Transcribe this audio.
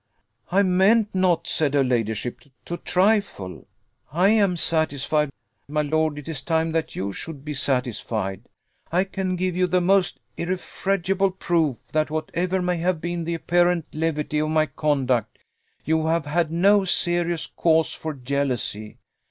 "I meant not," said her ladyship, "to trifle: I am satisfied. My lord, it is time that you should be satisfied. I can give you the most irrefragable proof, that whatever may have been the apparent levity of my conduct, you have had no serious cause for jealousy.